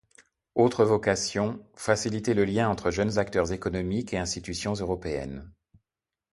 Autre vocation, faciliter le lien entre jeunes acteurs économiques et institutions européennes.